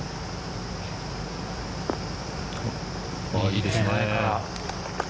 いいですね。